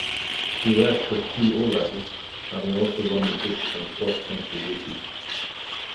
He left with three O-Levels, having also run the book on cross country races.